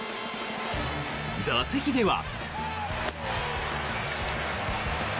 打席では。